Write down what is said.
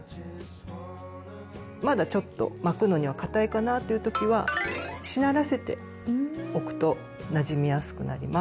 まだちょっと巻くのにはかたいかなっていう時はしならせておくとなじみやすくなります。